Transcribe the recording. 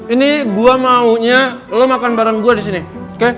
ini gue maunya lo makan bareng gue disini